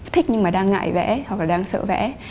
thích nhưng mà đang ngại vẽ hoặc là đang sợ vẽ